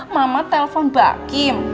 mama telpon mbak kim